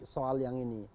soal yang ini